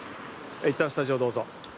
いったんスタジオどうぞ。